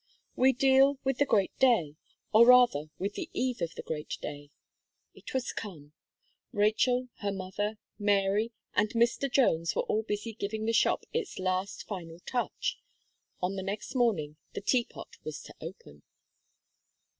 We deal with the great day, or rather with the eve of the great day. It was come. Rachel, her mother, Mary, and Mr. Jones were all busy giving the shop its last finishing touch; on the next morning the Teapot was to open.